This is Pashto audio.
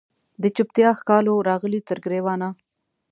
د چوپتیا ښکالو راغلې تر ګریوانه